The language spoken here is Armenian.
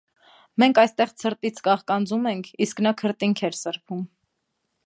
Մենք այստեղ ցրտից կաղկանձում ենք, իսկ նա քրտինքն էր սրբում…